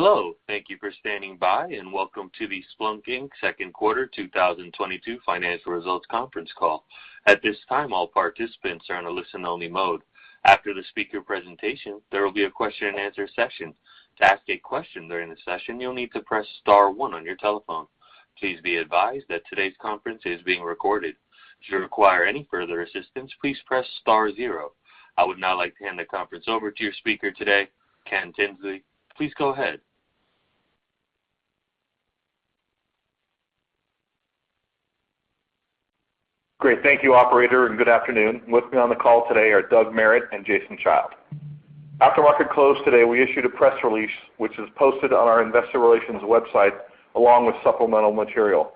Hello. Thank you for standing by, welcome to the Splunk Inc.'s second quarter 2022 financial results conference call. At this time, all participants are in a listen only mode. After the speaker presentation, there will be a question-and-answer session. To ask a question during the session, you'll need to press star one on your telephone. Please be advised that today's conference is being recorded. If you require any further assistance, please press star zero. I would now like to hand the conference over to your speaker today, Ken Tinsley. Please go ahead. Great. Thank you, operator, and good afternoon. With me on the call today are Doug Merritt and Jason Child. After market close today, we issued a press release, which is posted on our investor relations website along with supplemental material.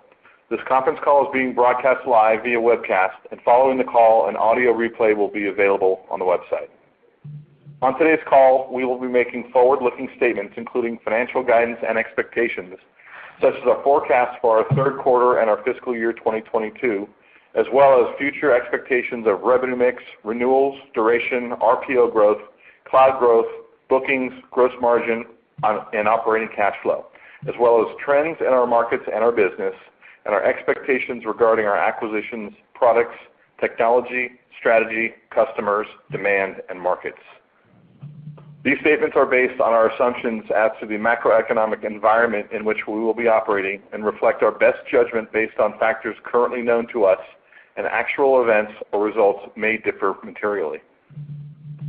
This conference call is being broadcast live via webcast, and following the call, an audio replay will be available on the website. On today's call, we will be making forward-looking statements, including financial guidance and expectations, such as our forecast for our third quarter and our fiscal year 2022, as well as future expectations of revenue mix, renewals, duration, RPO growth, cloud growth, bookings, gross margin, and operating cash flow, as well as trends in our markets and our business and our expectations regarding our acquisitions, products, technology, strategy, customers, demand, and markets. These statements are based on our assumptions as to the macroeconomic environment in which we will be operating and reflect our best judgment based on factors currently known to us, and actual events or results may differ materially.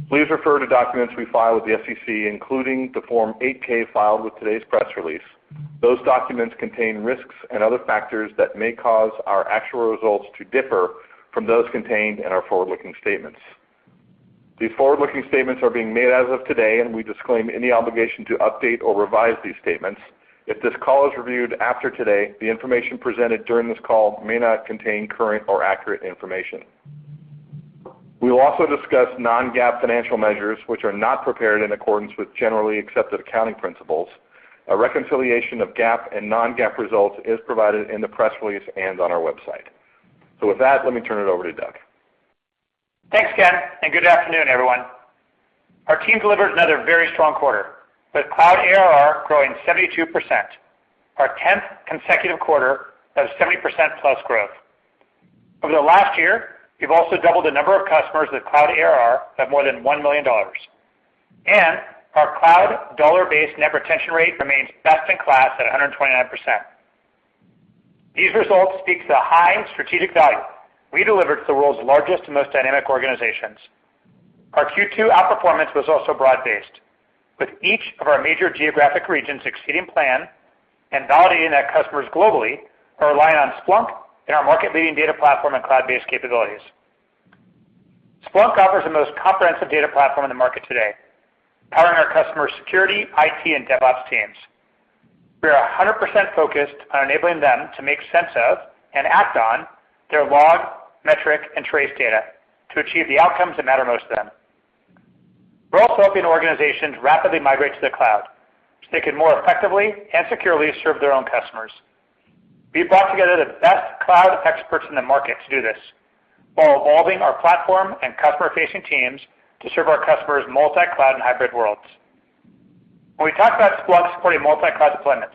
Please refer to documents we file with the SEC, including the Form 8-K filed with today's press release. Those documents contain risks and other factors that may cause our actual results to differ from those contained in our forward-looking statements. These forward-looking statements are being made as of today, and we disclaim any obligation to update or revise these statements. If this call is reviewed after today, the information presented during this call may not contain current or accurate information. We will also discuss non-GAAP financial measures which are not prepared in accordance with generally accepted accounting principles. A reconciliation of GAAP and non-GAAP results is provided in the press release and on our website. With that, let me turn it over to Doug. Thanks, Ken. Good afternoon, everyone. Our team delivered another very strong quarter, with cloud ARR growing 72%, our 10th consecutive quarter of 70%+ growth. Over the last year, we've also doubled the number of customers with cloud ARR of more than $1 million, and our cloud dollar-based net retention rate remains best in class at 129%. These results speak to the high strategic value we deliver to the world's largest and most dynamic organizations. Our Q2 outperformance was also broad-based, with each of our major geographic regions exceeding plan and validating that customers globally are relying on Splunk and our market-leading data platform and cloud-based capabilities. Splunk offers the most comprehensive data platform in the market today, powering our customers' security, IT, and DevOps teams. We are 100% focused on enabling them to make sense of and act on their log, metric, and trace data to achieve the outcomes that matter most to them. We're also helping organizations rapidly migrate to the cloud so they can more effectively and securely serve their own customers. We've brought together the best cloud experts in the market to do this while evolving our platform and customer-facing teams to serve our customers' multi-cloud and hybrid worlds. When we talk about Splunk supporting multi-cloud deployments,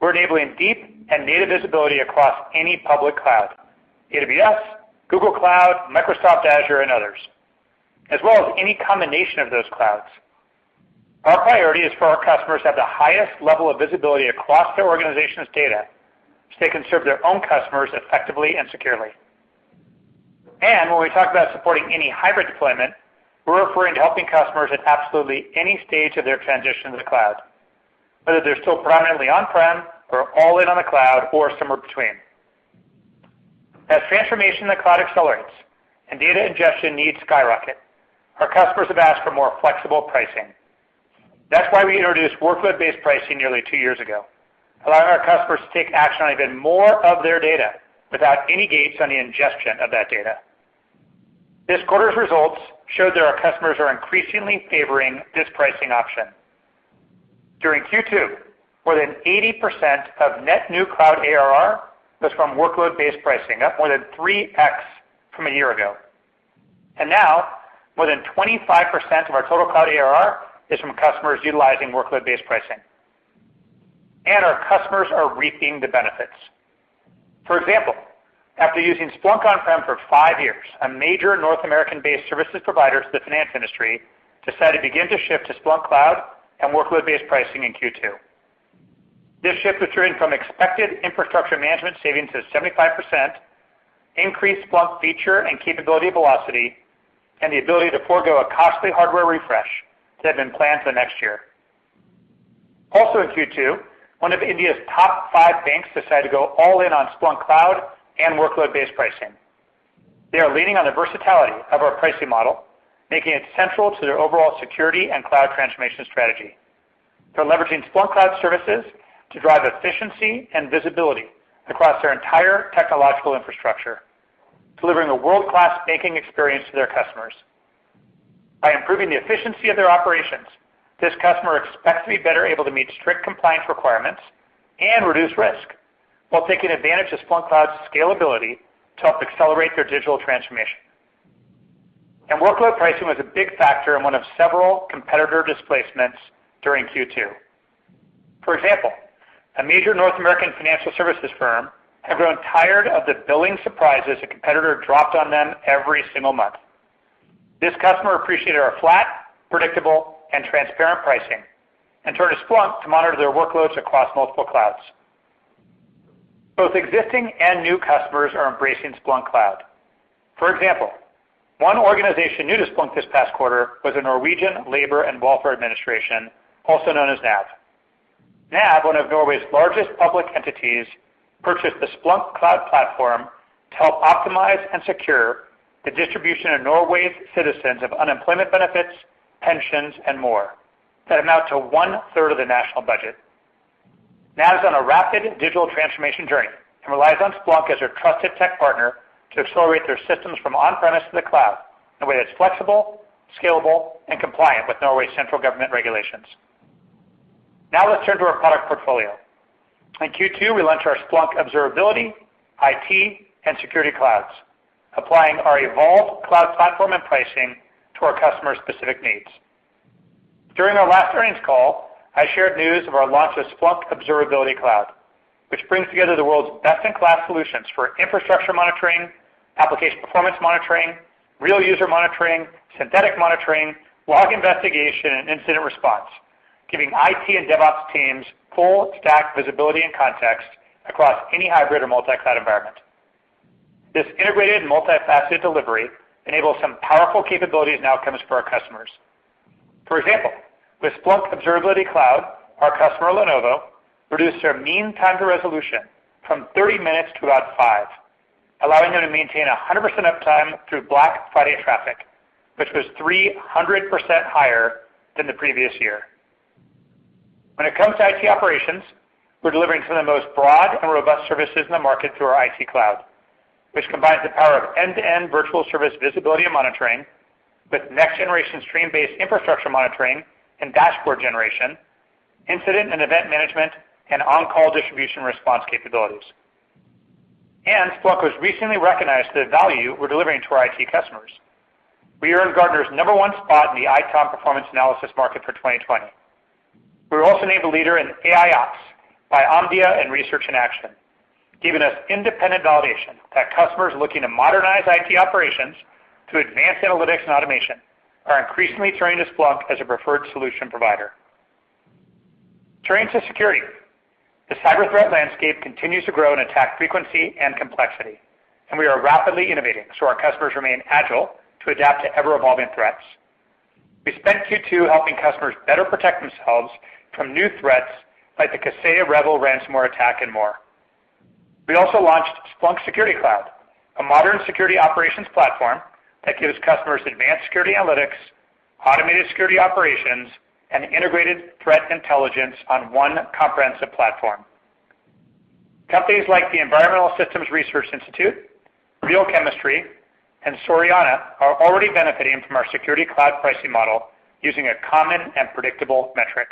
we're enabling deep and native visibility across any public cloud, AWS, Google Cloud, Microsoft Azure, and others, as well as any combination of those clouds. Our priority is for our customers to have the highest level of visibility across their organization's data so they can serve their own customers effectively and securely. When we talk about supporting any hybrid deployment, we're referring to helping customers at absolutely any stage of their transition to the cloud, whether they're still predominantly on-prem or all in on the cloud or somewhere between. As transformation to the cloud accelerates and data ingestion needs skyrocket, our customers have asked for more flexible pricing. That's why we introduced workload-based pricing nearly two years ago, allowing our customers to take action on even more of their data without any gates on the ingestion of that data. This quarter's results show that our customers are increasingly favoring this pricing option. During Q2, more than 80% of net new cloud ARR was from workload-based pricing, up more than 3x from a year ago. Now more than 25% of our total cloud ARR is from customers utilizing workload-based pricing. Our customers are reaping the benefits. For example, after using Splunk on-prem for five years, a major North American-based services provider to the finance industry decided to begin to shift to Splunk Cloud and workload-based pricing in Q2. This shift was driven from expected infrastructure management savings of 75%, increased Splunk feature and capability velocity, and the ability to forego a costly hardware refresh that had been planned for next year. In Q2, one of India's top five banks decided to go all in on Splunk Cloud and workload-based pricing. They are leaning on the versatility of our pricing model, making it central to their overall security and cloud transformation strategy. They're leveraging Splunk Cloud services to drive efficiency and visibility across their entire technological infrastructure, delivering a world-class banking experience to their customers. By improving the efficiency of their operations, this customer expects to be better able to meet strict compliance requirements and reduce risk while taking advantage of Splunk Cloud's scalability to help accelerate their digital transformation. Workload pricing was a big factor in one of several competitor displacements during Q2. For example, a major North American financial services firm had grown tired of the billing surprises a competitor dropped on them every single month. This customer appreciated our flat, predictable, and transparent pricing and turned to Splunk to monitor their workloads across multiple clouds. Both existing and new customers are embracing Splunk Cloud. For example, one organization new to Splunk this past quarter was the Norwegian Labour and Welfare Administration, also known as NAV. NAV, one of Norway's largest public entities, purchased the Splunk Cloud Platform to help optimize and secure the distribution of Norway's citizens of unemployment benefits, pensions, and more, that amount to 1/3 of the national budget. NAV is on a rapid digital transformation journey and relies on Splunk as their trusted tech partner to accelerate their systems from on-premise to the cloud in a way that's flexible, scalable, and compliant with Norway's central government regulations. Now let's turn to our product portfolio. In Q2, we launched our Splunk Observability, IT, and Security clouds, applying our evolved cloud platform and pricing to our customers' specific needs. During our last earnings call, I shared news of our launch of Splunk Observability Cloud, which brings together the world's best-in-class solutions for infrastructure monitoring, application performance monitoring, real user monitoring, synthetic monitoring, log investigation, and incident response, giving IT and DevOps teams full stack visibility and context across any hybrid or multi-cloud environment. This integrated multi-faceted delivery enables some powerful capabilities and outcomes for our customers. For example, with Splunk Observability Cloud, our customer, Lenovo, reduced their mean time to resolution from 30 minutes to about five, allowing them to maintain 100% uptime through Black Friday traffic, which was 300% higher than the previous year. When it comes to IT operations, we're delivering some of the most broad and robust services in the market through our IT Cloud, which combines the power of end-to-end virtual service visibility and monitoring with next generation stream-based infrastructure monitoring and dashboard generation, incident and event management, and on-call distribution response capabilities. Splunk was recently recognized for the value we're delivering to our IT customers. We earned Gartner's number one spot in the ITOM performance analysis market for 2020. We were also named a leader in AIOps by Omdia and Research in Action, giving us independent validation that customers looking to modernize IT operations through advanced analytics and automation are increasingly turning to Splunk as a preferred solution provider. Turning to security, the cyber threat landscape continues to grow in attack frequency and complexity. We are rapidly innovating so our customers remain agile to adapt to ever-evolving threats. We spent Q2 helping customers better protect themselves from new threats like the Kaseya REvil ransomware attack and more. We also launched Splunk Security Cloud, a modern security operations platform that gives customers advanced security analytics, automated security operations, and integrated threat intelligence on one comprehensive platform. Companies like the Environmental Systems Research Institute, Real Chemistry, and Soriana are already benefiting from our Security Cloud pricing model using a common and predictable metric.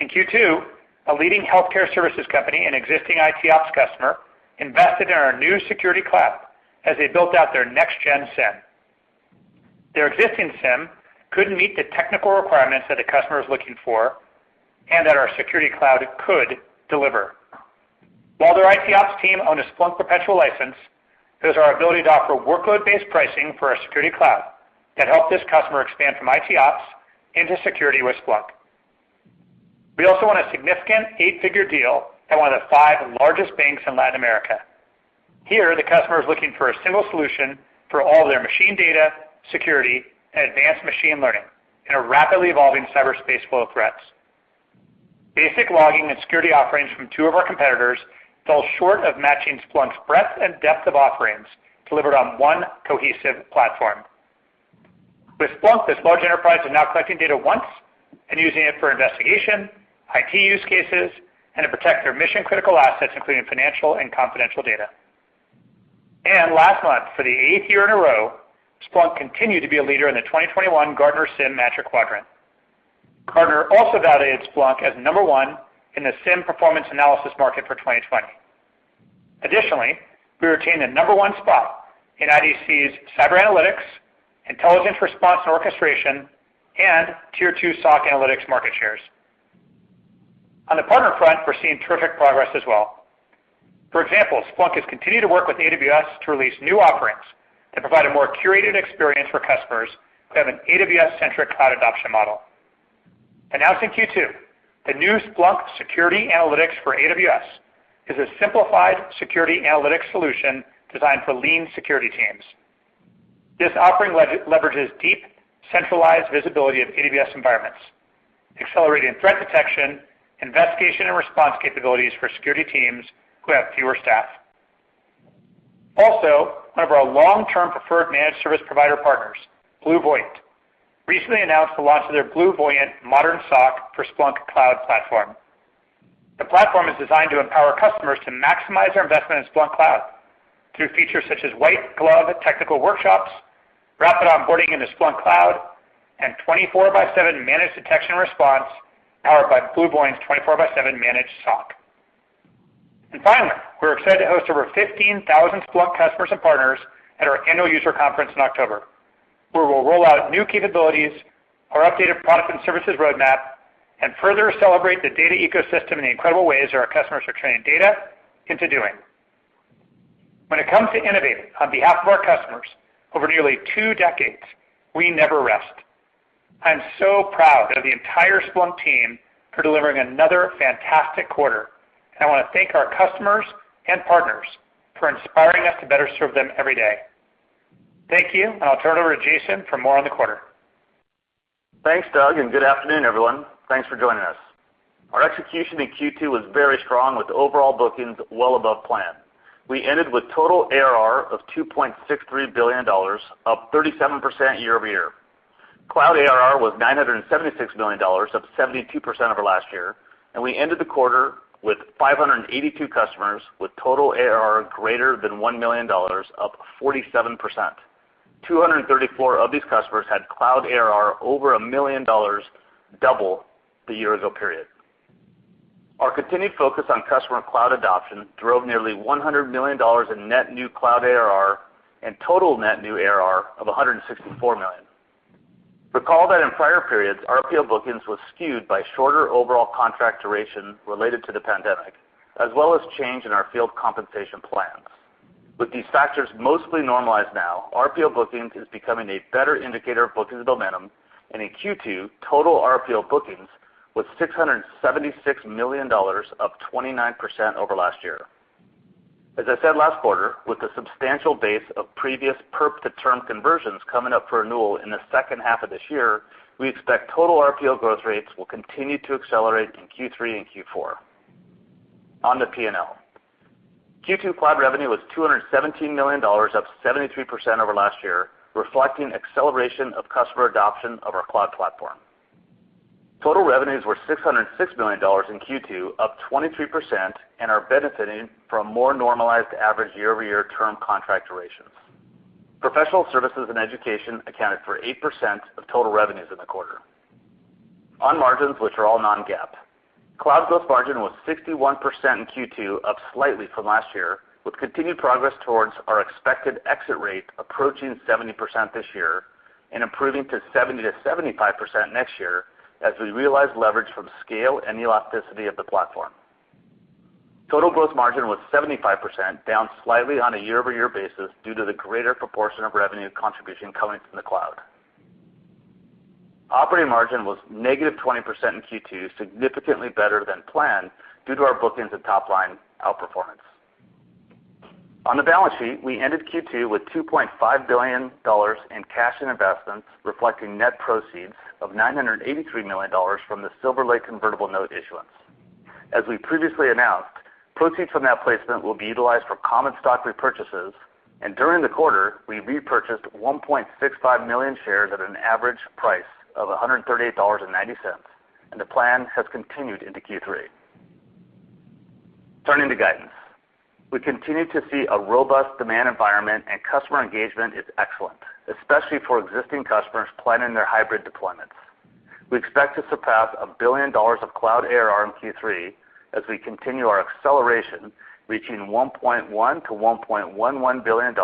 In Q2, a leading healthcare services company and existing IT ops customer invested in our new Security Cloud as they built out their next-gen SIEM. Their existing SIEM couldn't meet the technical requirements that the customer was looking for and that our Security Cloud could deliver. While their IT ops team owned a Splunk perpetual license, it was our ability to offer workload-based pricing for our Security Cloud that helped this customer expand from IT ops into security with Splunk. We also won a significant eight-figure deal at one of the five largest banks in Latin America. Here, the customer is looking for a single solution for all their machine data, security, and advanced machine learning in a rapidly evolving cyberspace full of threats. Basic logging and security offerings from two of our competitors fell short of matching Splunk's breadth and depth of offerings delivered on one cohesive platform. With Splunk, this large enterprise is now collecting data once and using it for investigation, IT use cases, and to protect their mission-critical assets, including financial and confidential data. Last month, for the eighth year in a row, Splunk continued to be a leader in the 2021 Gartner SIEM Magic Quadrant. Gartner also validated Splunk as number one in the SIEM performance analysis market for 2020. Additionally, we retained the number one spot in IDC's cyber analytics, intelligent response orchestration, and tier 2 SOC analytics market shares. On the partner front, we're seeing terrific progress as well. For example, Splunk has continued to work with AWS to release new offerings that provide a more curated experience for customers who have an AWS-centric cloud adoption model. Announced in Q2, the new Splunk Security Analytics for AWS is a simplified security analytics solution designed for lean security teams. This offering leverages deep, centralized visibility of AWS environments, accelerating threat detection, investigation, and response capabilities for security teams who have fewer staff. Also, one of our long-term preferred managed service provider partners, BlueVoyant, recently announced the launch of their BlueVoyant Modern SOC for Splunk Cloud Platform. The platform is designed to empower customers to maximize their investment in Splunk Cloud through features such as white glove technical workshops, rapid onboarding into Splunk Cloud, and 24/7 managed detection response powered by BlueVoyant's 24/7 managed SOC. Finally, we're excited to host over 15,000 Splunk customers and partners at our annual user conference in October, where we'll roll out new capabilities, our updated product and services roadmap, and further celebrate the data ecosystem and the incredible ways our customers are turning data into doing. When it comes to innovating on behalf of our customers over nearly two decades, we never rest. I'm so proud of the entire Splunk team for delivering another fantastic quarter, and I want to thank our customers and partners for inspiring us to better serve them every day. Thank you, and I'll turn it over to Jason for more on the quarter. Thanks, Doug. Good afternoon, everyone. Thanks for joining us. Our execution in Q2 was very strong with overall bookings well above plan. We ended with total ARR of $2.63 billion, up 38% year-over-year. Cloud ARR was $976 million, up 72% over last year. We ended the quarter with 582 customers with total ARR greater than $1 million, up 47%. 234 of these customers had Cloud ARR over $1 million, double the year-ago period. Our continued focus on customer Cloud adoption drove nearly $100 million in net new Cloud ARR and total net new ARR of $164 million. Recall that in prior periods, our deal bookings were skewed by shorter overall contract duration related to the pandemic, as well as change in our field compensation plans. With these factors mostly normalized now, our deal bookings is becoming a better indicator of bookings momentum, and in Q2, total RPO bookings was $676 million, up 29% over last year. As I said last quarter, with the substantial base of previous perp to term conversions coming up for renewal in the second half of this year, we expect total RPO growth rates will continue to accelerate in Q3 and Q4. On to P&L. Q2 cloud revenue was $217 million, up 73% over last year, reflecting acceleration of customer adoption of our cloud platform. Total revenues were $606 million in Q2, up 23%, and are benefiting from more normalized average year-over-year term contract durations. Professional services and education accounted for 8% of total revenues in the quarter. On margins, which are all non-GAAP, cloud gross margin was 61% in Q2, up slightly from last year, with continued progress towards our expected exit rate approaching 70% this year and improving to 70%-75% next year, as we realize leverage from scale and elasticity of the platform. Total gross margin was 75%, down slightly on a year-over-year basis due to the greater proportion of revenue contribution coming from the cloud. Operating margin was -20% in Q2, significantly better than planned due to our bookings and top-line outperformance. On the balance sheet, we ended Q2 with $2.5 billion in cash and investments, reflecting net proceeds of $983 million from the Silver Lake convertible note issuance. As we previously announced, proceeds from that placement will be utilized for common stock repurchases, and during the quarter, we repurchased 1.65 million shares at an average price of $138.90, and the plan has continued into Q3. Turning to guidance. We continue to see a robust demand environment and customer engagement is excellent, especially for existing customers planning their hybrid deployments. We expect to surpass $1 billion of cloud ARR in Q3 as we continue our acceleration, reaching $1.1 billion-$1.11 billion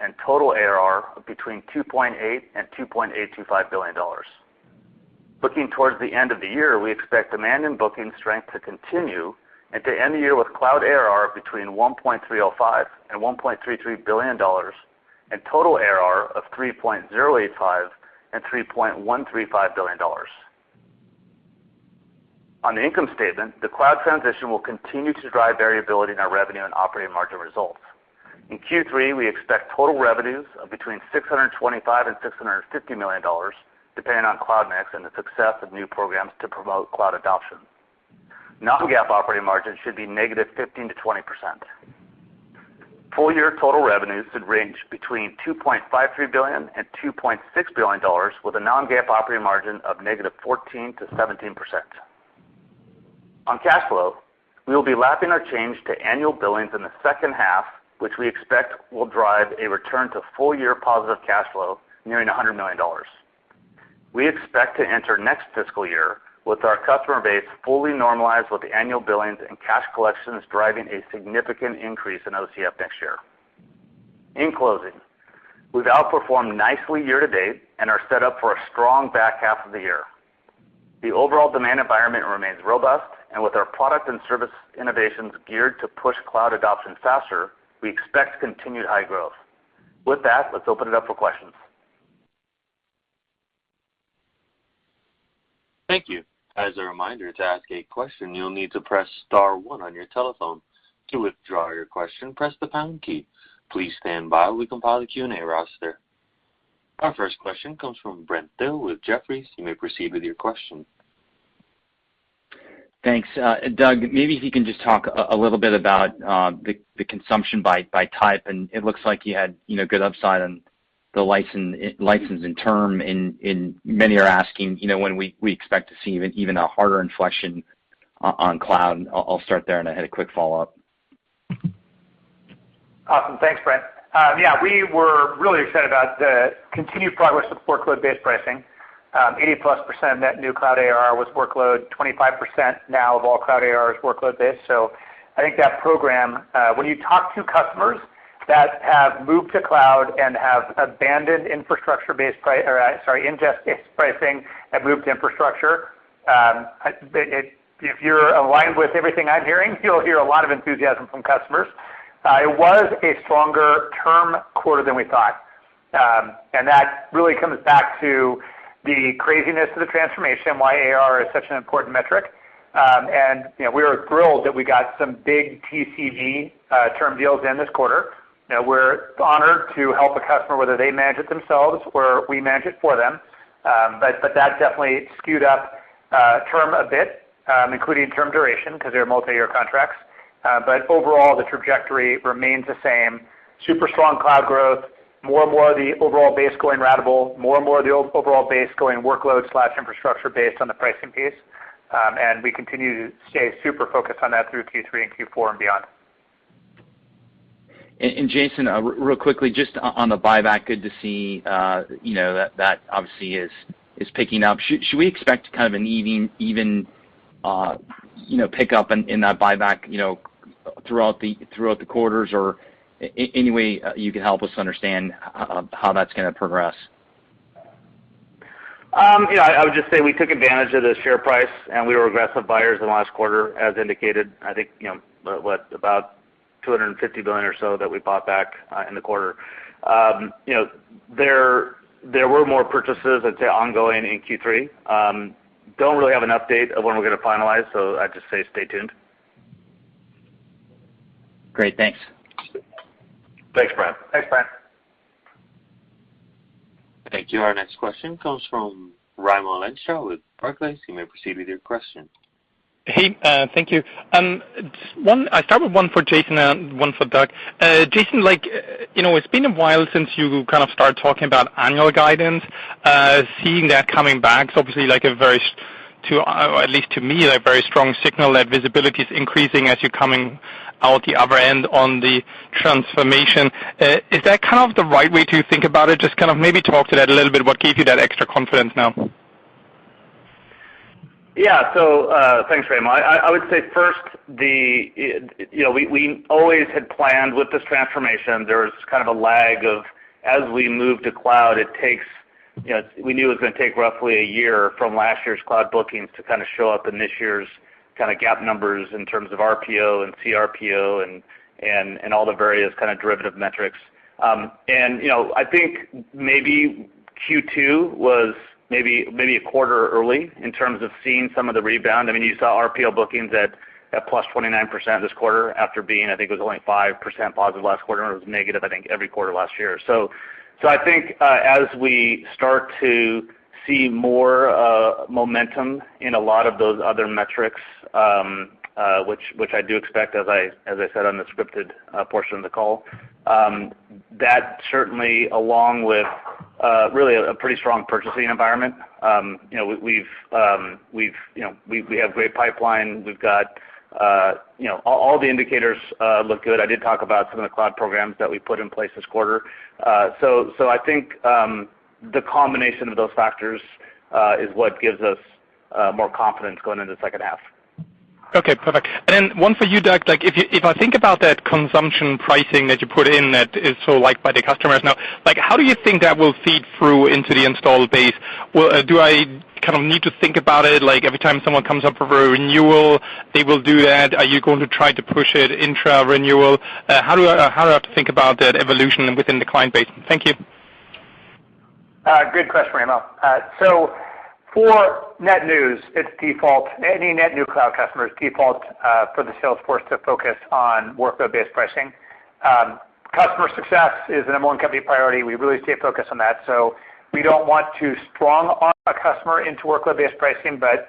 and total ARR of between $2.8 billion and $2.825 billion. Looking towards the end of the year, we expect demand and booking strength to continue, and to end the year with cloud ARR between $1.305 billion and $1.33 billion and total ARR of $3.085 billion-$3.135 billion. On the income statement, the cloud transition will continue to drive variability in our revenue and operating margin results. In Q3, we expect total revenues of between $625 million and $650 million, depending on cloud mix and the success of new programs to promote cloud adoption. Non-GAAP operating margin should be -15% to 20%. Full year total revenues should range between $2.53 billion and $2.6 billion, with a non-GAAP operating margin of -14% to 17%. On cash flow, we will be lapping our change to annual billings in the second half, which we expect will drive a return to full year positive cash flow nearing $100 million. We expect to enter next fiscal year with our customer base fully normalized with annual billings and cash collections driving a significant increase in OCF next year. In closing, we've outperformed nicely year to date and are set up for a strong back half of the year. The overall demand environment remains robust, and with our product and service innovations geared to push cloud adoption faster, we expect continued high growth. With that, let's open it up for questions. Thank you. As a reminder, to ask a question, you'll need to press star one on your telephone. To withdraw your question, press the pound key. Please stand by while we compile the Q&A roster. Our first question comes from Brent Thill with Jefferies. Thanks. Doug, maybe if you can just talk a little bit about the consumption by type, and it looks like you had good upside on the license and term, and many are asking when we expect to see even a harder inflection on cloud. I'll start there, and I had a quick follow-up. Awesome. Thanks, Brent. Yeah, we were really excited about the continued progress with workload-based pricing. 80%+ of net new cloud ARR was workload, 25% now of all cloud ARR is workload-based. I think that program, when you talk to customers that have moved to cloud and have abandoned ingest-based pricing and moved to infrastructure, if you're aligned with everything I'm hearing, you'll hear a lot of enthusiasm from customers. It was a stronger term quarter than we thought. That really comes back to the craziness of the transformation, why ARR is such an important metric. We are thrilled that we got some big TCV term deals in this quarter. We're honored to help a customer, whether they manage it themselves or we manage it for them. That definitely skewed up term a bit, including term duration, because they're multi-year contracts. Overall, the trajectory remains the same. Super strong cloud growth, more and more of the overall base going ratable, more and more of the overall base going workload/infrastructure based on the pricing piece. We continue to stay super focused on that through Q3 and Q4 and beyond. Jason, real quickly, just on the buyback, good to see that obviously is picking up. Should we expect an even pick-up in that buyback throughout the quarters? Any way you can help us understand how that's going to progress? Yeah, I would just say we took advantage of the share price, and we were aggressive buyers in the last quarter, as indicated, I think, about $250 million or so that we bought back in the quarter. There were more purchases, I'd say, ongoing in Q3. Don't really have an update of when we're going to finalize, so I'd just say stay tuned. Great. Thanks. Thanks, Brent. Thanks, Brent. Thank you. Our next question comes from Raimo Lenschow with Barclays. You may proceed with your question. Hey, thank you. I'll start with one for Jason and one for Doug. Jason, it's been a while since you started talking about annual guidance. Seeing that coming back is obviously, at least to me, a very strong signal that visibility is increasing as you're coming out the other end on the transformation. Is that the right way to think about it? Just maybe talk to that a little bit. What gave you that extra confidence now? Yeah. Thanks, Raimo. I would say first, we always had planned with this transformation, there was a lag of as we move to cloud, we knew it was going to take roughly a year from last year's cloud bookings to show up in this year's GAAP numbers in terms of RPO and CRPO and all the various derivative metrics. I think maybe Q2 was maybe a quarter early in terms of seeing some of the rebound. You saw RPO bookings at +29% this quarter after being, I think it was only 5% positive last quarter, and it was negative, I think, every quarter last year. I think as we start to see more momentum in a lot of those other metrics, which I do expect, as I said on the scripted portion of the call, that certainly, along with really a pretty strong purchasing environment. We have great pipeline. All the indicators look good. I did talk about some of the cloud programs that we put in place this quarter. I think the combination of those factors is what gives us more confidence going into the second half. Okay, perfect. One for you, Doug. If I think about that consumption pricing that you put in that is so liked by the customers now, how do you think that will feed through into the installed base? Do I need to think about it like every time someone comes up for a renewal, they will do that? Are you going to try to push it intra-renewal? How do I have to think about that evolution within the client base? Thank you. Good question, Raimo. For net news, any net new cloud customers default for the sales force to focus on workload-based pricing. Customer success is the number one company priority. We really stay focused on that. We don't want too strong-arm a customer into workload-based pricing, but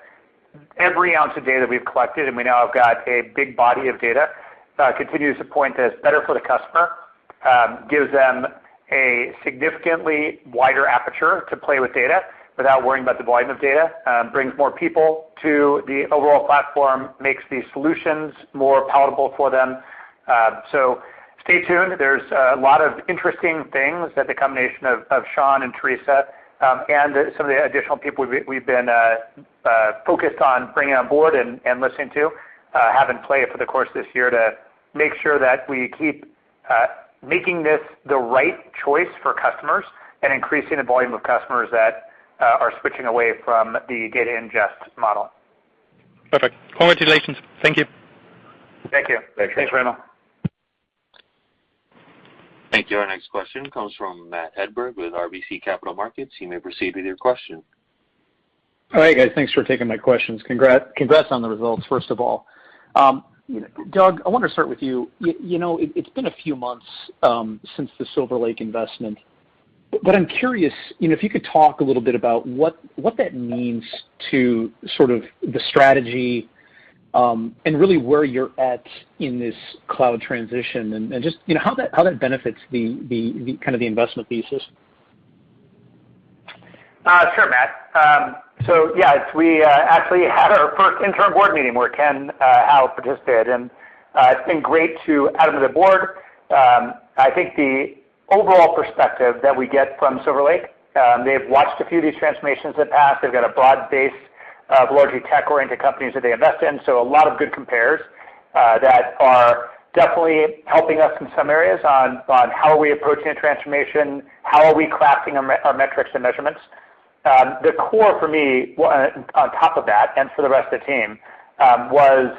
every ounce of data we've collected, and we now have got a big body of data, continues to point that it's better for the customer, gives them a significantly wider aperture to play with data without worrying about the volume of data, brings more people to the overall platform, makes the solutions more palatable for them. Stay tuned. There's a lot of interesting things that the combination of Shawn and Teresa, and some of the additional people we've been focused on bringing on board and listening to, have in play for the course this year to make sure that we keep making this the right choice for customers, and increasing the volume of customers that are switching away from the data ingest model. Perfect. Congratulations. Thank you. Thank you. Thanks, Raimo. Thank you. Our next question comes from Matt Hedberg with RBC Capital Markets. You may proceed with your question. All right, guys. Thanks for taking my questions. Congrats on the results, first of all. Doug, I want to start with you. It's been a few months since the Silver Lake investment, but I'm curious if you could talk a little bit about what that means to the strategy, and really where you're at in this cloud transition, and just how that benefits the investment thesis. Sure, Matt. Yes, we actually had our first interim board meeting where Ken Hao participated, and it's been great to add him to the board. I think the overall perspective that we get from Silver Lake, they've watched a few of these transformations in the past. They've got a broad base of largely tech-oriented companies that they invest in, a lot of good compares that are definitely helping us in some areas on how are we approaching a transformation, how are we crafting our metrics and measurements. The core for me on top of that, and for the rest of the team, was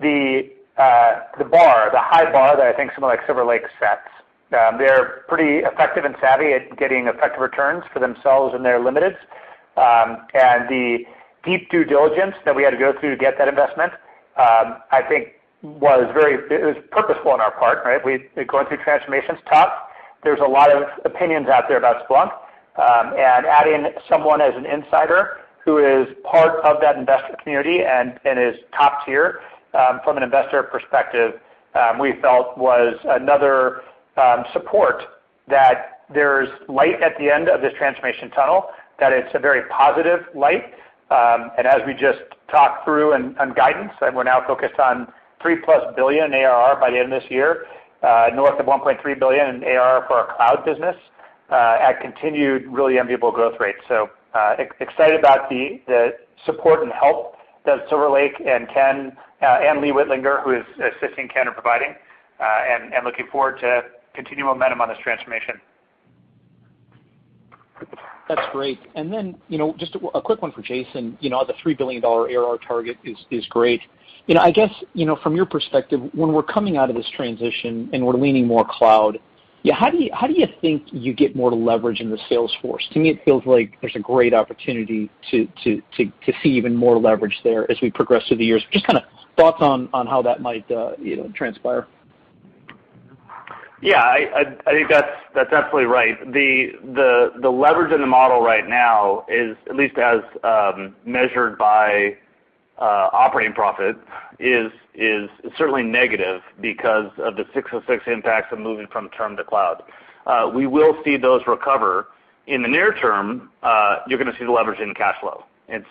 the bar, the high bar that I think someone like Silver Lake sets. They're pretty effective and savvy at getting effective returns for themselves and their limiteds. The deep due diligence that we had to go through to get that investment, I think it was purposeful on our part, right? Going through transformations is tough. There's a lot of opinions out there about Splunk, and adding someone as an insider who is part of that investment community and is top tier from an investor perspective, we felt was another support that there's light at the end of this transformation tunnel, that it's a very positive light. As we just talked through on guidance, and we're now focused on $3+ billion ARR by the end of this year, north of $1.3 billion in ARR for our cloud business at continued really enviable growth rates. Excited about the support and help that Silver Lake and Ken and Lee Wittlinger, who is assisting Ken in providing, and looking forward to continued momentum on this transformation. That's great. Then, just a quick one for Jason. The $3 billion ARR target is great. I guess, from your perspective, when we're coming out of this transition and we're leaning more cloud, how do you think you get more leverage in the sales force? To me, it feels like there's a great opportunity to see even more leverage there as we progress through the years. Just kind of thoughts on how that might transpire. Yeah. I think that's absolutely right. The leverage in the model right now is at least as measured by operating profit is certainly negative because of the 606 impacts of moving from term to cloud. We will see those recover. In the near term, you're going to see the leverage in cash flow. As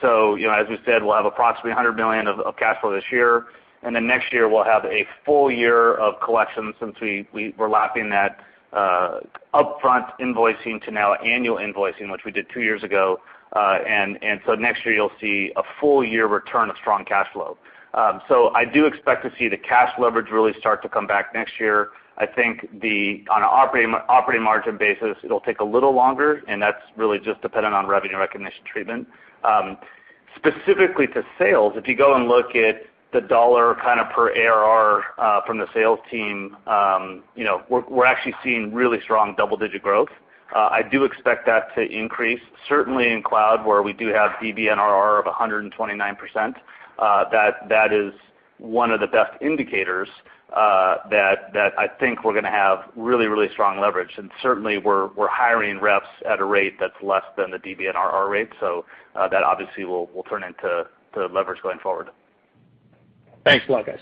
we said, we'll have approximately $100 million of cash flow this year, then next year we'll have a full year of collections since we're lapping that upfront invoicing to now annual invoicing, which we did two years ago. Next year you'll see a full year return of strong cash flow. I do expect to see the cash leverage really start to come back next year. I think on an operating margin basis, it'll take a little longer, and that's really just dependent on revenue recognition treatment. Specifically to sales, if you go and look at the dollar per ARR from the sales team, we're actually seeing really strong double-digit growth. I do expect that to increase certainly in cloud, where we do have DBNRR of 129%. That is one of the best indicators that I think we're going to have really, really strong leverage. Certainly, we're hiring reps at a rate that's less than the DBNRR rate, so that obviously will turn into leverage going forward. Thanks a lot, guys.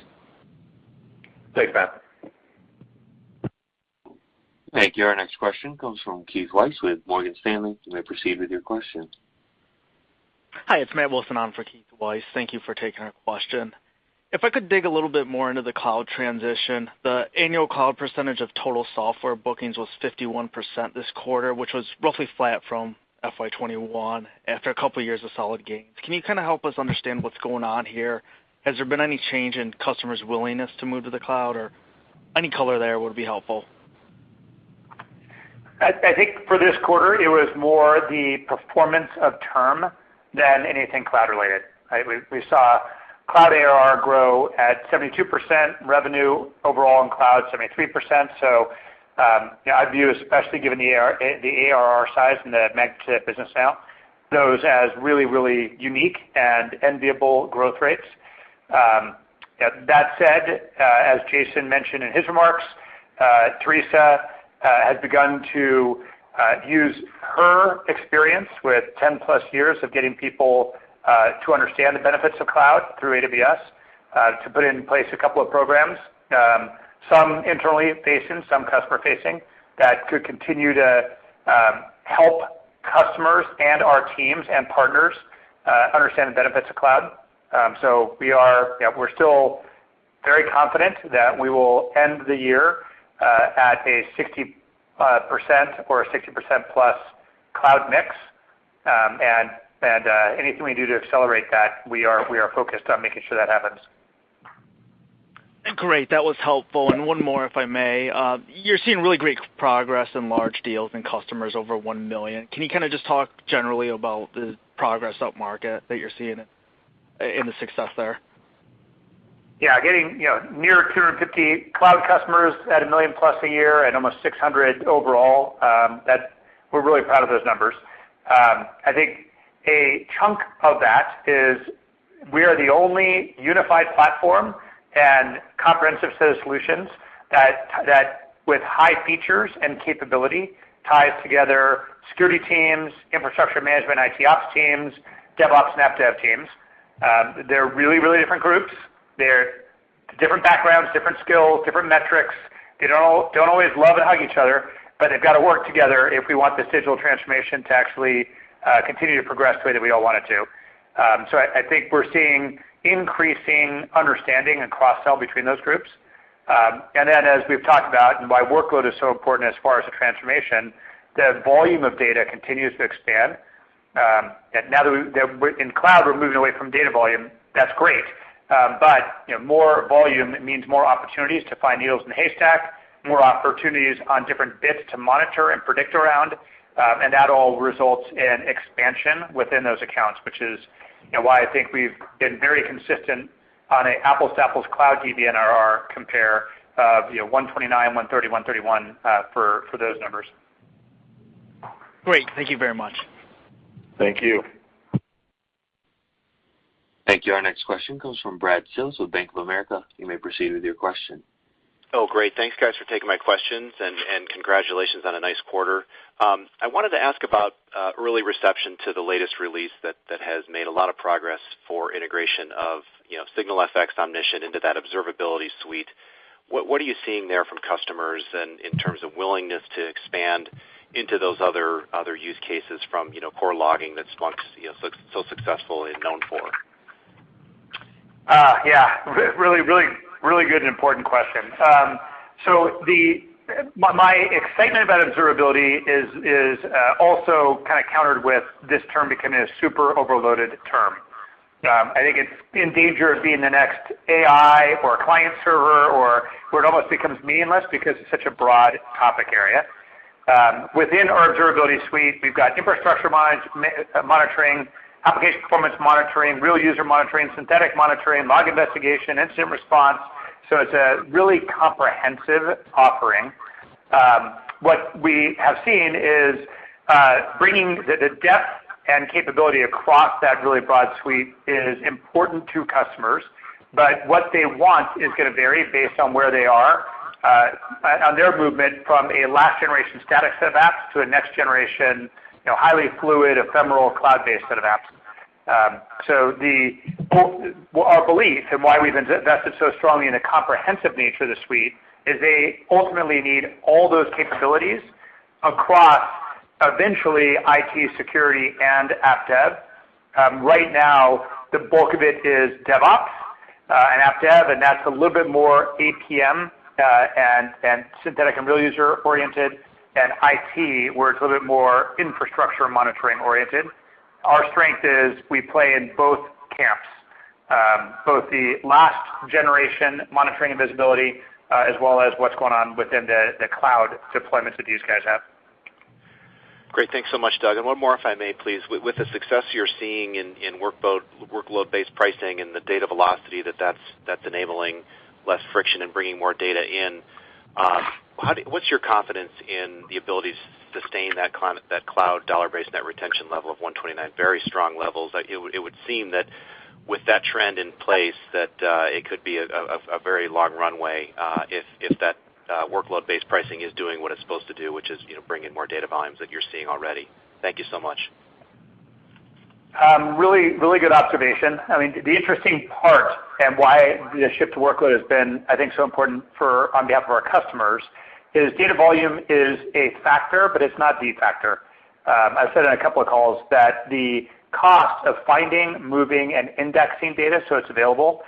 Thanks, Matt. Thank you. Our next question comes from Keith Weiss with Morgan Stanley. You may proceed with your question. Hi, it's Matt Wilson on for Keith Weiss. Thank you for taking our question. If I could dig a little bit more into the cloud transition, the annual cloud percentage of total software bookings was 51% this quarter, which was roughly flat from FY 2021 after a couple of years of solid gains. Can you kind of help us understand what's going on here? Has there been any change in customers' willingness to move to the cloud, or any color there would be helpful. I think for this quarter it was more the performance of term than anything cloud related, right? We saw cloud ARR grow at 72% revenue overall in cloud, 73%. I view, especially given the ARR size and the magnitude of the business now, those as really, really unique and enviable growth rates. That said, as Jason mentioned in his remarks, Teresa has begun to use her experience with 10+ years of getting people to understand the benefits of cloud through AWS to put in place a couple of programs, some internally facing, some customer facing, that could continue to help customers and our teams and partners understand the benefits of cloud. We're still very confident that we will end the year at a 60% or a 60%+ cloud mix. Anything we do to accelerate that, we are focused on making sure that happens. Great. That was helpful. One more, if I may. You're seeing really great progress in large deals and customers over $1 million. Can you kind of just talk generally about the progress upmarket that you're seeing and the success there? Getting near 250 cloud customers at a million-plus a year and almost 600 overall, we're really proud of those numbers. I think a chunk of that is we are the only unified platform and comprehensive set of solutions that with high features and capability ties together security teams, infrastructure management, IT ops teams, DevOps and AppDev teams. They're really different groups. They're different backgrounds, different skills, different metrics. They don't always love and hug each other, they've got to work together if we want this digital transformation to actually continue to progress the way that we all want it to. I think we're seeing increasing understanding and cross-sell between those groups. As we've talked about and why workload is so important as far as the transformation, the volume of data continues to expand. In cloud, we're moving away from data volume, that's great. More volume means more opportunities to find needles in the haystack, more opportunities on different bits to monitor and predict around, and that all results in expansion within those accounts, which is why I think we've been very consistent on an apples-to-apples cloud DBNRR compare of 129%, 130%, 131% for those numbers. Great. Thank you very much. Thank you. Thank you. Our next question comes from Brad Sills with Bank of America. You may proceed with your question. Oh, great. Thanks guys for taking my questions and congratulations on a nice quarter. I wanted to ask about early reception to the latest release that has made a lot of progress for integration of SignalFx Omnition into that observability suite. What are you seeing there from customers and in terms of willingness to expand into those other use cases from core logging that Splunk's so successful and known for? Yeah. Really good and important question. My excitement about observability is also kind of countered with this term becoming a super overloaded term. I think it's in danger of being the next AI or client server, or where it almost becomes meaningless because it's such a broad topic area. Within our observability suite, we've got infrastructure monitoring, application performance monitoring, real user monitoring, synthetic monitoring, log investigation, incident response. It's a really comprehensive offering. What we have seen is bringing the depth and capability across that really broad suite is important to customers, but what they want is going to vary based on where they are on their movement from a last generation static set of apps to a next generation highly fluid, ephemeral, cloud-based set of apps. Our belief and why we've invested so strongly in the comprehensive nature of the suite is they ultimately need all those capabilities across eventually IT security and app dev. Right now the bulk of it is DevOps and app dev, and that's a little bit more APM, and synthetic and real user oriented than IT, where it's a little bit more infrastructure monitoring oriented. Our strength is we play in both camps, both the last generation monitoring and visibility, as well as what's going on within the cloud deployments that these guys have. Great. Thanks so much, Doug. One more, if I may, please. With the success you're seeing in workload-based pricing and the data velocity that that's enabling less friction and bringing more data in, what's your confidence in the ability to sustain that cloud dollar-based net retention level of 129%? Very strong levels. It would seem that with that trend in place, that it could be a very long runway, if that workload-based pricing is doing what it's supposed to do, which is bring in more data volumes that you're seeing already. Thank you so much. Really good observation. The interesting part and why the shift to workload has been, I think, so important on behalf of our customers is data volume is a factor, but it's not the factor. I've said on a couple of calls that the cost of finding, moving, and indexing data, so it's available,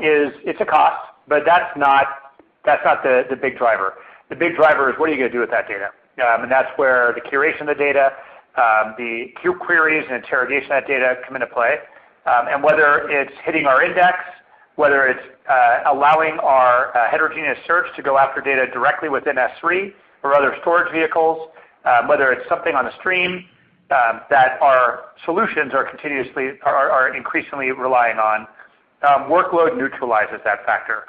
it's a cost, but that's not the big driver. The big driver is what are you going to do with that data? That's where the curation of the data, the queries and interrogation of that data come into play. Whether it's hitting our index, whether it's allowing our heterogeneous search to go after data directly within S3 or other storage vehicles, whether it's something on a stream that our solutions are increasingly relying on, workload neutralizes that factor.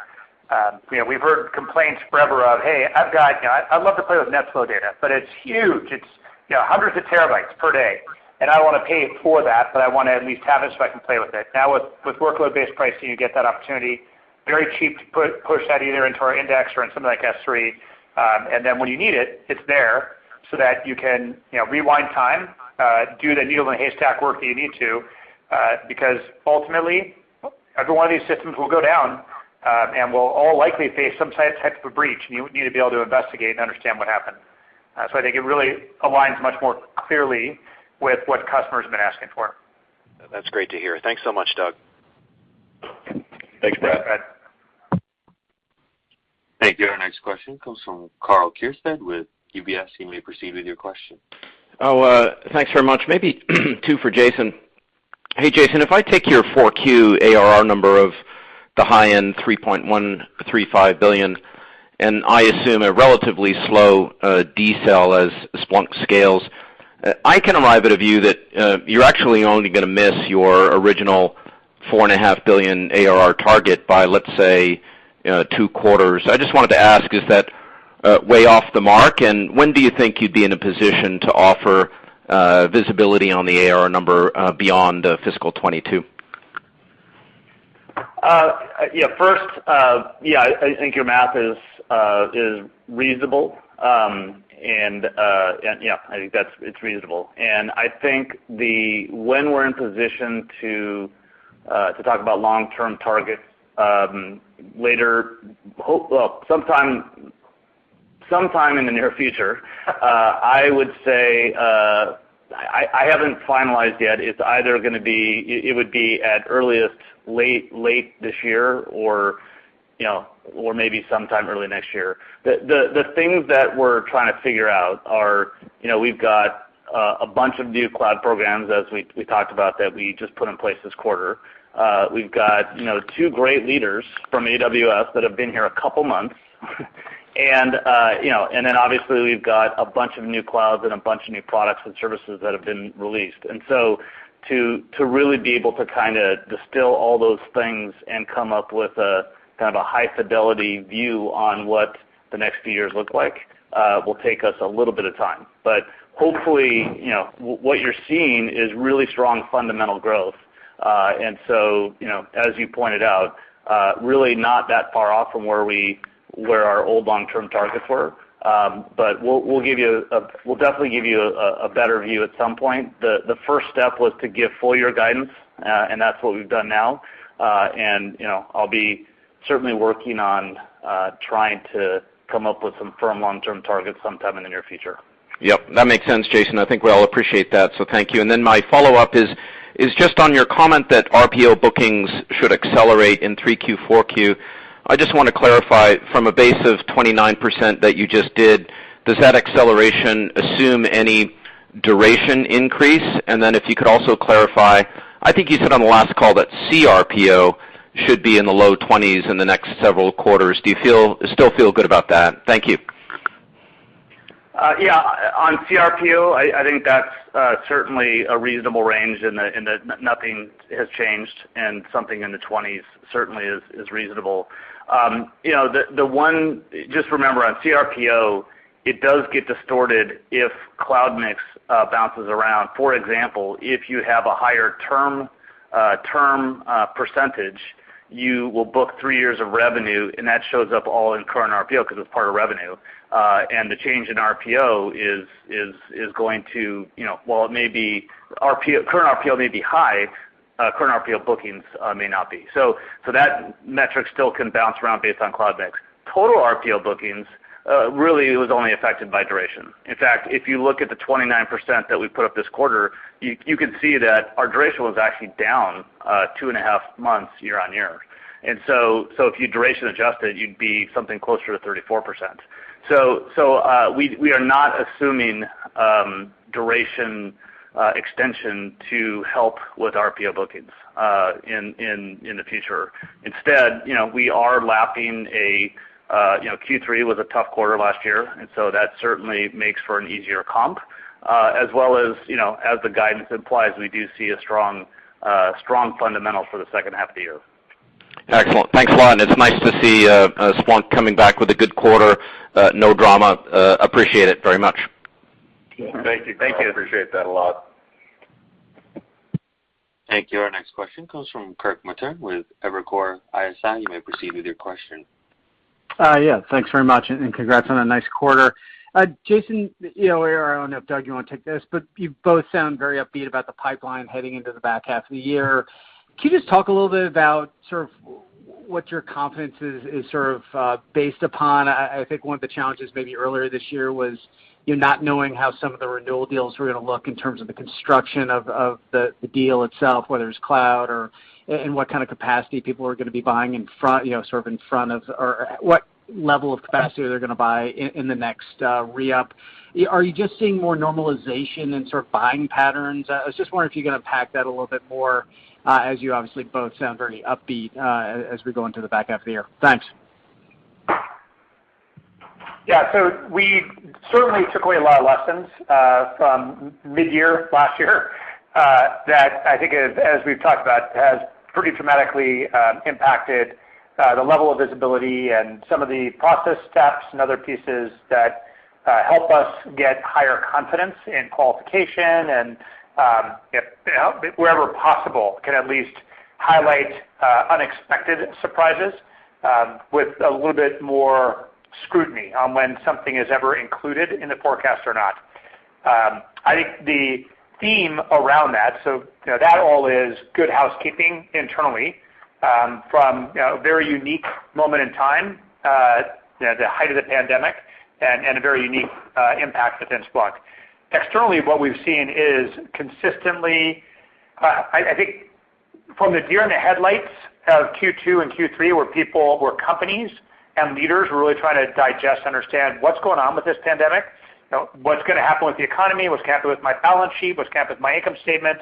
We've heard complaints forever of, "Hey, I'd love to play with NetFlow data, but it's huge. It's hundreds of terabytes per day, and I don't want to pay for that, but I want to at least have it so I can play with it." Now, with workload-based pricing, you get that opportunity. Very cheap to push that either into our index or into something like S3. When you need it's there so that you can rewind time, do the needle in the haystack work that you need to, because ultimately, every one of these systems will go down, and we'll all likely face some type of a breach, and you need to be able to investigate and understand what happened. I think it really aligns much more clearly with what customers have been asking for. That's great to hear. Thanks so much, Doug. Thanks, Brad. Thank you. Our next question comes from Karl Keirstead with UBS. You may proceed with your question. Thanks very much. Maybe two for Jason. Hey, Jason, if I take your 4Q ARR number of the high-end $3.135 billion, and I assume a relatively slow decel as Splunk scales, I can arrive at a view that you're actually only going to miss your original $4.5 billion ARR target by, let's say, two quarters. I just wanted to ask, is that way off the mark? When do you think you'd be in a position to offer visibility on the ARR number beyond fiscal 2022? Yeah. First, I think your math is reasonable. I think that it's reasonable. I think when we're in position to talk about long-term targets later, well, sometime. Sometime in the near future. I would say I haven't finalized yet. It would be at earliest late this year or maybe sometime early next year. The things that we're trying to figure out are we've got a bunch of new cloud programs, as we talked about, that we just put in place this quarter. We've got two great leaders from AWS that have been here a couple of months. Obviously we've got a bunch of new clouds and a bunch of new products and services that have been released. To really be able to distill all those things and come up with a high-fidelity view on what the next few years look like will take us a little bit of time. Hopefully, what you're seeing is really strong fundamental growth. As you pointed out, really not that far off from where our old long-term targets were. We'll definitely give you a better view at some point. The first step was to give full year guidance, and that's what we've done now. I'll be certainly working on trying to come up with some firm long-term targets sometime in the near future. Yep. That makes sense, Jason. I think we all appreciate that, thank you. My follow-up is just on your comment that RPO bookings should accelerate in 3Q, 4Q. I just want to clarify from a base of 29% that you just did, does that acceleration assume any duration increase? If you could also clarify, I think you said on the last call that CRPO should be in the low 20s in the next several quarters. Do you still feel good about that? Thank you. Yeah. On CRPO, I think that's certainly a reasonable range, and nothing has changed, and something in the 20s certainly is reasonable. Just remember on CRPO, it does get distorted if cloud mix bounces around. For example, if you have a higher term percentage, you will book three years of revenue, and that shows up all in current RPO because it's part of revenue. The change in RPO, current RPO may be high, current RPO bookings may not be. That metric still can bounce around based on cloud mix. Total RPO bookings really was only affected by duration. In fact, if you look at the 29% that we put up this quarter, you can see that our duration was actually down two and a half months year-on-year. If you duration adjust it, you'd be something closer to 34%. We are not assuming duration extension to help with RPO bookings in the future. Instead, we are lapping Q3 was a tough quarter last year, and so that certainly makes for an easier comp, as well as the guidance implies we do see a strong fundamental for the second half of the year. Excellent. Thanks a lot. It's nice to see Splunk coming back with a good quarter. No drama. Appreciate it very much. Thank you. I appreciate that a lot. Thank you. Our next question comes from Kirk Materne with Evercore ISI. You may proceed with your question. Yeah. Thanks very much, and congrats on a nice quarter. Jason, or I don't know if, Doug, you want to take this, but you both sound very upbeat about the pipeline heading into the back half of the year. Can you just talk a little bit about sort of what your confidence is sort of based upon? I think one of the challenges maybe earlier this year was you not knowing how some of the renewal deals were going to look in terms of the construction of the deal itself, whether it's cloud or in what kind of capacity people are going to be buying sort of in front of, or what level of capacity they're going to buy in the next re-up. Are you just seeing more normalization in sort of buying patterns? I was just wondering if you can unpack that a little bit more as you obviously both sound very upbeat as we go into the back half of the year. Thanks. Yeah. We certainly took away a lot of lessons from mid-year last year that I think as we've talked about, has pretty dramatically impacted the level of visibility and some of the process steps and other pieces that help us get higher confidence in qualification and wherever possible, can at least highlight unexpected surprises with a little bit more scrutiny on when something is ever included in the forecast or not. I think the theme around that all is good housekeeping internally from a very unique moment in time at the height of the pandemic and a very unique impact within Splunk. Externally, what we've seen is consistently, I think from the deer in the headlights of Q2 and Q3, where people, where companies and leaders were really trying to digest, understand what's going on with this pandemic, what's going to happen with the economy, what's going to happen with my balance sheet, what's going to happen with my income statement,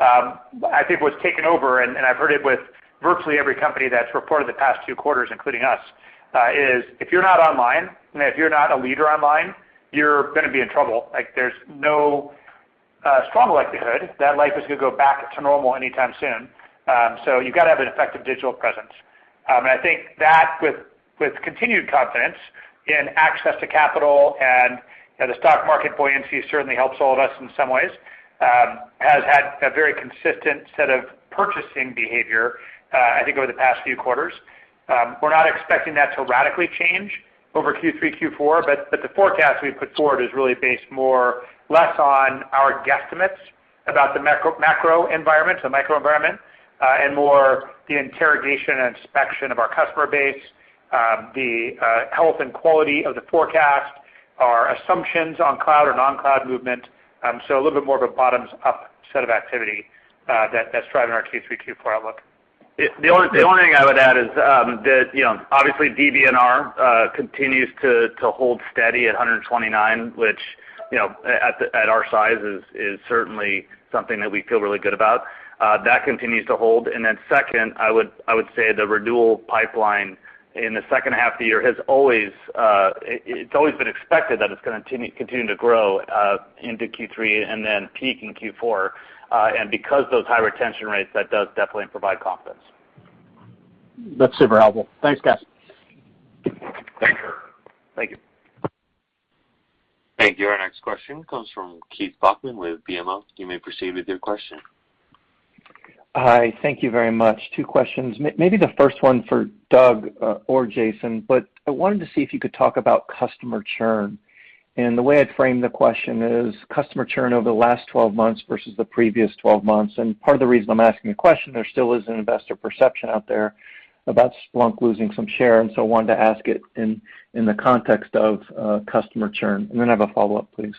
I think what's taken over, and I've heard it with virtually every company that's reported the past two quarters, including us, is if you're not online, and if you're not a leader online, you're going to be in trouble. There's no strong likelihood that life is going to go back to normal anytime soon. You've got to have an effective digital presence. I think that with continued confidence in access to capital and the stock market buoyancy certainly helps all of us in some ways, has had a very consistent set of purchasing behavior I think over the past few quarters. We're not expecting that to radically change over Q3, Q4. The forecast we put forward is really based more less on our guesstimates. About the macro environment, the micro environment, and more the interrogation and inspection of our customer base, the health and quality of the forecast, our assumptions on cloud or non-cloud movement. A little bit more of a bottoms-up set of activity that's driving our Q3 and Q4 outlook. The only thing I would add is that obviously DBNR continues to hold steady at 129, which at our size is certainly something that we feel really good about. That continues to hold. Second, I would say the renewal pipeline in the second half of the year, it's always been expected that it's going to continue to grow into Q3 and then peak in Q4. Because of those high retention rates, that does definitely provide confidence. That's super helpful. Thanks, guys. Thank you. Thank you. Thank you. Our next question comes from Keith Bachman with BMO. You may proceed with your question. Hi. Thank you very much. Two questions, maybe the first one for Doug or Jason. I wanted to see if you could talk about customer churn. The way I'd frame the question is, customer churn over the last 12 months versus the previous 12 months. Part of the reason I'm asking the question, there still is an investor perception out there about Splunk losing some share. I wanted to ask it in the context of customer churn. I have a follow-up, please.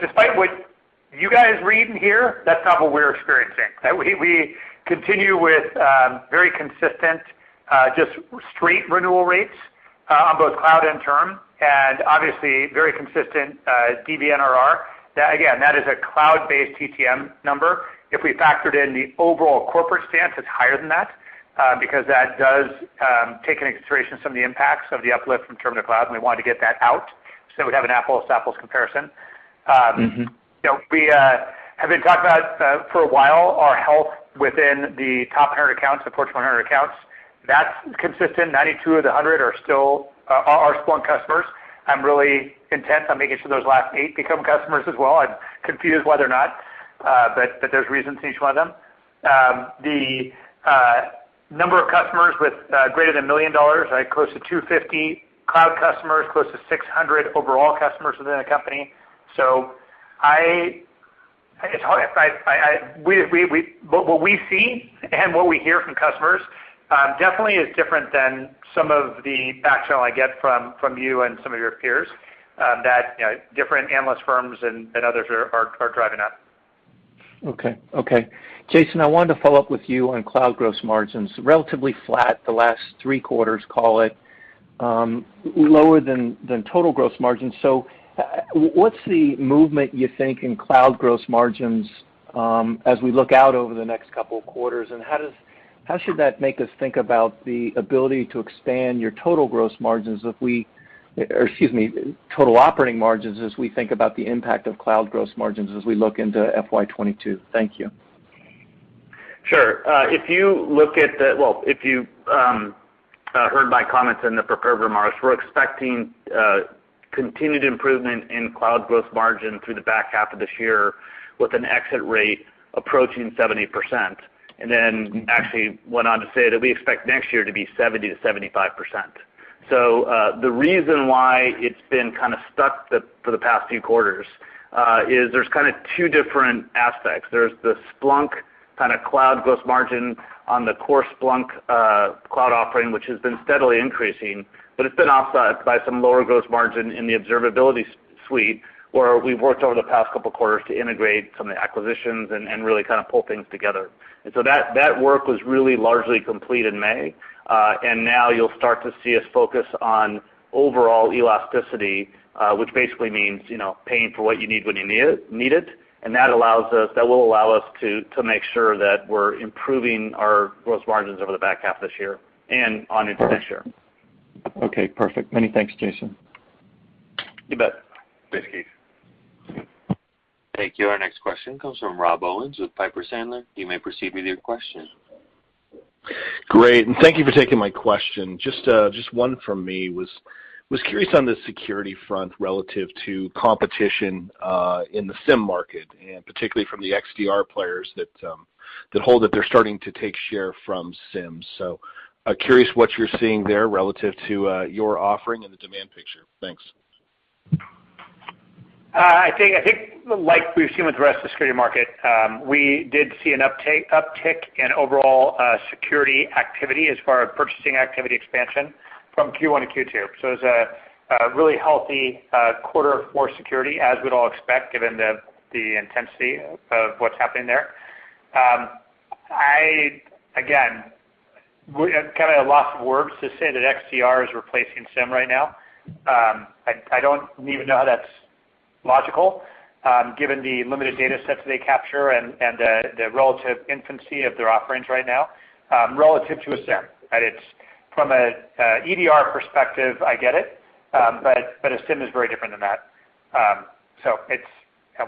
Despite what you guys read and hear, that's not what we're experiencing. We continue with very consistent, just straight renewal rates on both cloud and term. Obviously very consistent DBNRR. Again, that is a cloud-based TTM number. If we factored in the overall corporate stance, it's higher than that, because that does take into consideration some of the impacts of the uplift from term to cloud. We wanted to get that out, so we have an apples-to-apples comparison. We have been talking about for a while our health within the top 100 accounts, the Fortune 100 accounts. That's consistent. 92 of the 100 are still our Splunk customers. I'm really intent on making sure those last eight become customers as well. I'm confused why they're not, but there's reasons to each one of them. The number of customers with greater than $1 million, close to 250 cloud customers, close to 600 overall customers within the company. What we see and what we hear from customers definitely is different than some of the backchannel I get from you and some of your peers that different analyst firms and others are driving up. Okay. Jason, I wanted to follow up with you on cloud gross margins. Relatively flat the last three quarters, call it, lower than total gross margin. What's the movement you think in cloud gross margins as we look out over the next couple of quarters, and how should that make us think about the ability to expand your total operating margins as we think about the impact of cloud gross margins as we look into FY 2022? Thank you. Sure. If you heard my comments in the prepared remarks, we're expecting continued improvement in cloud gross margin through the back half of this year with an exit rate approaching 70%. Actually went on to say that we expect next year to be 70%-75%. The reason why it's been kind of stuck for the past few quarters is there's kind of two different aspects. There's the Splunk kind of cloud gross margin on the core Splunk Cloud offering, which has been steadily increasing, but it's been offset by some lower gross margin in the observability suite, where we've worked over the past two quarters to integrate some of the acquisitions and really kind of pull things together. That work was really largely complete in May. Now you'll start to see us focus on overall elasticity, which basically means paying for what you need when you need it. That will allow us to make sure that we're improving our gross margins over the back half of this year and on into next year. Okay, perfect. Many thanks, Jason. You bet. Thanks, Keith. Thank you. Our next question comes from Rob Owens with Piper Sandler. You may proceed with your question. Great. Thank you for taking my question. Just one from me, was curious on the security front relative to competition in the SIEM market, and particularly from the XDR players that hold that they're starting to take share from SIEM. Curious what you're seeing there relative to your offering and the demand picture. Thanks. I think like we've seen with the rest of the security market, we did see an uptick in overall security activity as far as purchasing activity expansion from Q1 to Q2. It was a really healthy quarter for security, as we'd all expect, given the intensity of what's happening there. I, again, kind of at a loss of words to say that XDR is replacing SIEM right now. I don't even know how that's logical, given the limited data sets they capture and the relative infancy of their offerings right now relative to a SIEM. From an EDR perspective, I get it, but a SIEM is very different than that.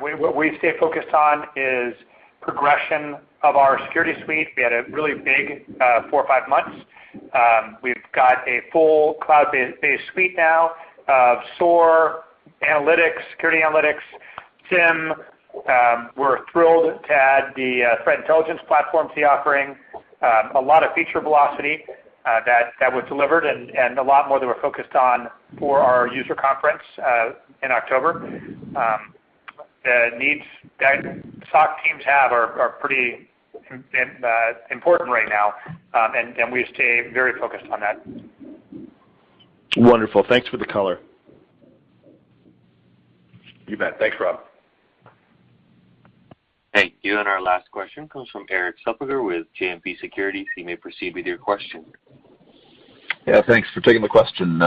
What we stay focused on is progression of our security suite. We had a really big four or five months. We've got a full cloud-based suite now of SOAR, security analytics, SIEM. We're thrilled to add the threat intelligence platform to the offering. A lot of feature velocity that was delivered and a lot more that we're focused on for our user conference in October. The needs that SOC teams have are pretty important right now, and we stay very focused on that. Wonderful. Thanks for the color. You bet. Thanks, Rob. Thank you. Our last question comes from Erik Suppiger with JMP Securities. You may proceed with your question. Yeah. Thanks for taking the question.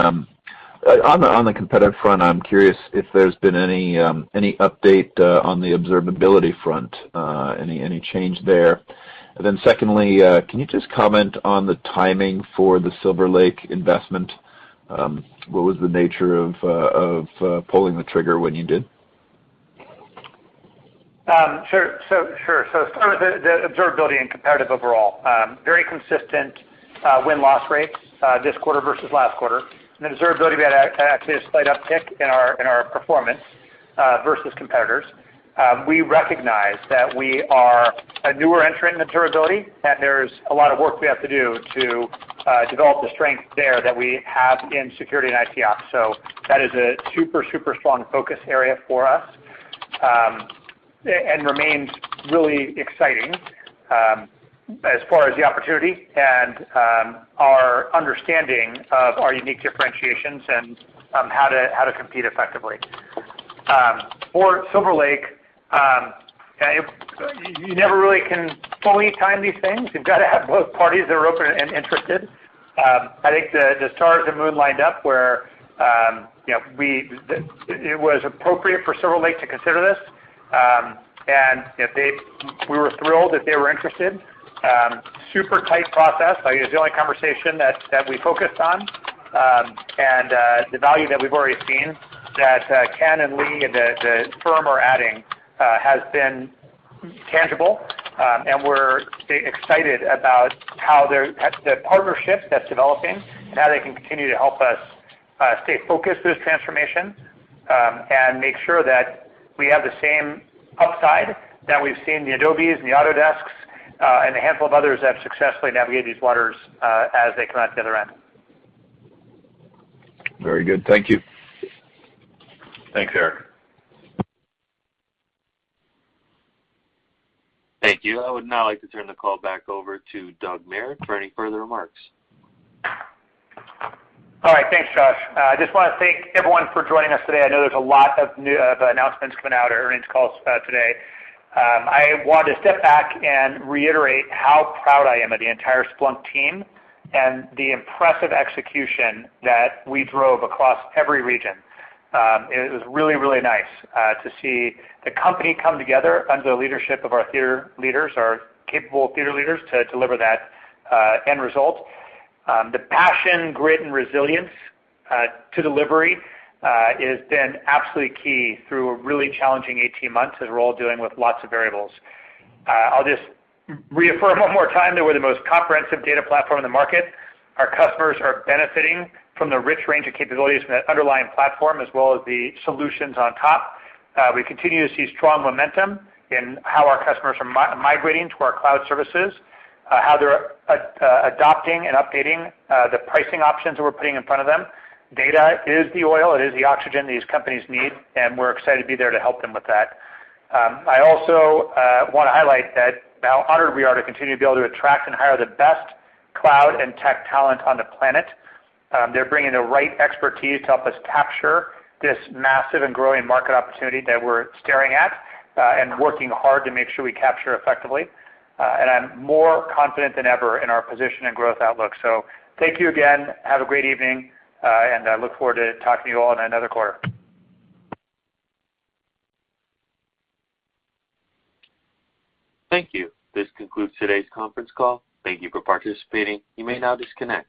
On the competitive front, I'm curious if there's been any update on the observability front, any change there? Secondly, can you just comment on the timing for the Silver Lake investment? What was the nature of pulling the trigger when you did? Sure. Starting with the observability and competitive overall. Very consistent win-loss rate this quarter versus last quarter. In observability, we had actually a slight uptick in our performance versus competitors. We recognize that we are a newer entrant in observability, and there's a lot of work we have to do to develop the strength there that we have in security and IT ops. That is a super strong focus area for us, and remains really exciting as far as the opportunity and our understanding of our unique differentiations and how to compete effectively. For Silver Lake, you never really can fully time these things. You've got to have both parties that are open and interested. I think the stars and moon lined up where it was appropriate for Silver Lake to consider this. We were thrilled that they were interested. Super tight process. It was the only conversation that we focused on. The value that we've already seen that Ken and Lee and the firm are adding has been tangible. We're excited about the partnership that's developing and how they can continue to help us stay focused through this transformation, and make sure that we have the same upside that we've seen the Adobes and the Autodesks, and the handful of others that have successfully navigated these waters as they come out the other end. Very good. Thank you. Thanks, Erik. Thank you. I would now like to turn the call back over to Doug Merritt for any further remarks. All right. Thanks, Josh. I just want to thank everyone for joining us today. I know there's a lot of announcements coming out or earnings calls today. I want to step back and reiterate how proud I am of the entire Splunk team and the impressive execution that we drove across every region. It was really, really nice to see the company come together under the leadership of our theater leaders, our capable theater leaders, to deliver that end result. The passion, grit, and resilience to delivery has been absolutely key through a really challenging 18 months as we're all dealing with lots of variables. I'll just reaffirm one more time that we're the most comprehensive data platform in the market. Our customers are benefiting from the rich range of capabilities from that underlying platform as well as the solutions on top. We continue to see strong momentum in how our customers are migrating to our cloud services, how they're adopting and updating the pricing options that we're putting in front of them. Data is the oil, it is the oxygen these companies need. We're excited to be there to help them with that. I also want to highlight how honored we are to continue to be able to attract and hire the best cloud and tech talent on the planet. They're bringing the right expertise to help us capture this massive and growing market opportunity that we're staring at and working hard to make sure we capture effectively. I'm more confident than ever in our position and growth outlook. Thank you again. Have a great evening. I look forward to talking to you all in another quarter. Thank you. This concludes today's conference call. Thank you for participating. You may now disconnect.